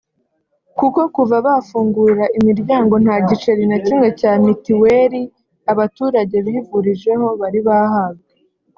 kuko kuva bafungura imiryango nta giceri na kimwe cya mitiweli abaturage bivurijeho bari bahabwa